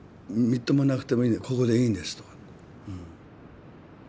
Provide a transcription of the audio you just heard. ここでいいんです」と。